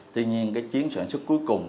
tuy nhiên cái chiến sản xuất cuối cùng